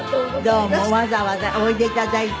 どうもわざわざおいで頂いて。